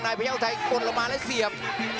นายพระเยาทรัยกดลงมาแล้วเสียบ